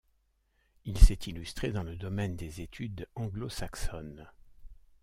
Il s'est illustré dans le domaine des études anglo-saxonnes.